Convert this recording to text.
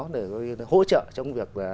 để hỗ trợ trong việc